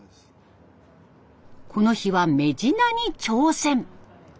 この日はメジナに挑戦。